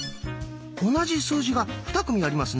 同じ数字がふた組ありますね。